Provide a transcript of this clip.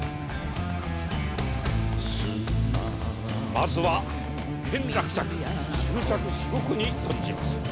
まずは一件落着祝着至極に存じます。